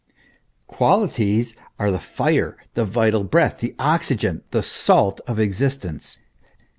Qualities are the fire, the vital breath, the oxygen, the salt of existence.